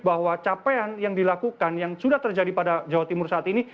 bahwa capaian yang dilakukan yang sudah terjadi pada jawa timur saat ini